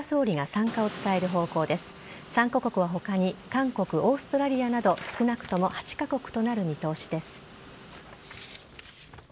参加国は他に、韓国、オーストラリアなど少なくとも８カ国となる見通しです。